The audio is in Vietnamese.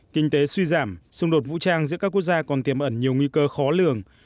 kinh tế suy giảm xung đột vũ trang giữa các quốc gia còn tiềm ẩn nhiều nguy cơ khó lường